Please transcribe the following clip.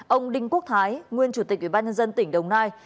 ông đinh quốc thái nguyên chủ tịch ubnd tỉnh đồng nai